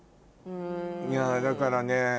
いやだからね